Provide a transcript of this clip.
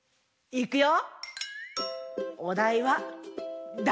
いくよ！